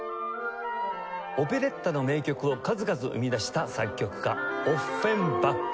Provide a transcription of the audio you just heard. オペレッタの名曲を数々生み出した作曲家オッフェンバック。